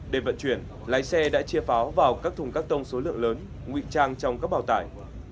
để vận chuyển lái xe đã chia pháo vào các thùng cắt tông số lượng lớn nguy trang trong các bào tải